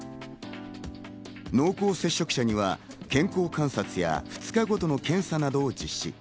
濃厚接触者には健康観察や２日ごとの検査などを実施。